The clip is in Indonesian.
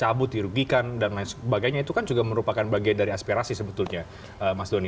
hak hak buruh dicabut dirugikan dan lain sebagainya itu kan juga merupakan bagian dari aspirasi sebetulnya mas doni